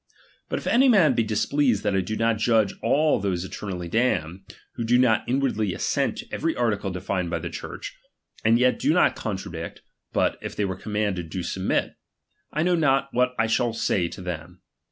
But if any man be H displeased that I do not judge all those eternally damned, who do ^M not inwardly assent to every article defined by the Church, and ^M yet do not contradict, but, if they be commanded, do submit : I ^M know not what I shall say to them.